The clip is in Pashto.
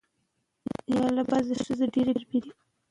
که ښځې عسکرې وي نو سرحد به خلاص نه وي.